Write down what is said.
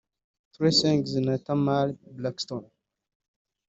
Trey Songz na Tamar Braxton